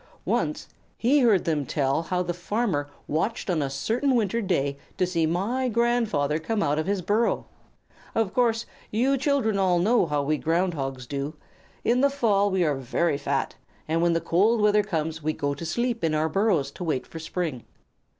Once he heard them tell how the farmer watched on a certain winter day to see my grandfather come out of his burrow. Of course, you children all know how we Ground Hogs do; in the fall we are very fat, and when the cold weather comes we go to sleep in our burrows to wait for spring.